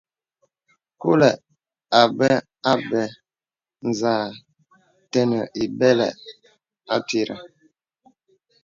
Kūlə̀ a bə̀ a bə̀ zə̄ə̄ tenə̀ ìbɛlə̀ àtirə̀.